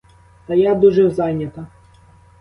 Та я дуже зайнята.